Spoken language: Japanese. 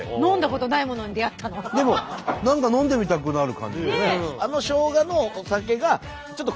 でも何か飲んでみたくなる感じですね。